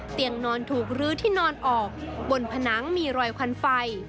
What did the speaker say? เตียงนอนถูกลื้อที่นอนออกบนผนังมีรอยควันไฟ